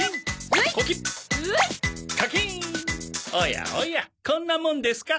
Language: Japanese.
おやおやこんなもんですか？